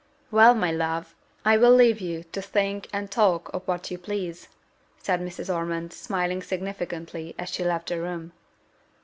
"Well, my love, I will leave you to think and talk of what you please," said Mrs. Ormond, smiling significantly as she left the room.